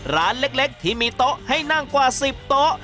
ร้านเล็กที่มีโต๊ะให้นั่งกว่า๑๐โต๊ะ